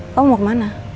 kamu mau kemana